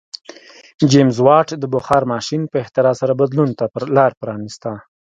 جېمز واټ د بخار ماشین په اختراع سره بدلون ته لار پرانیسته.